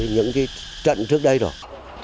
những cái trận trước đây rồi